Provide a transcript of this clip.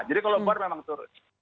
jadi kalau bor memang turun